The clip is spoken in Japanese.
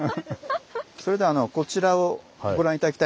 それではこちらをご覧頂きたいと思います。